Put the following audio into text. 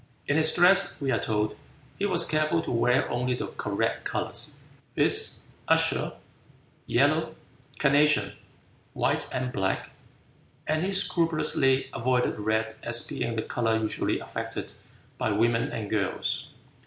In his dress, we are told, he was careful to wear only the "correct" colors, viz., azure, yellow, carnation, white and black, and he scrupulously avoided red as being the color usually affected by women and girls.